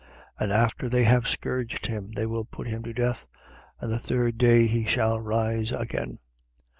18:33. And after they have scourged him, they will put him to death. And the third day he shall rise again.